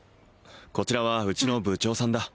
こちらはうちの部長さんだ